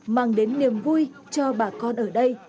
mang đến niềm vui cho bà con ở đây